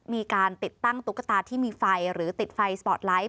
มีการติดตั้งตุ๊กตาที่มีไฟหรือติดไฟสปอร์ตไลท์